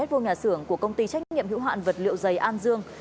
vật liệu dày an dương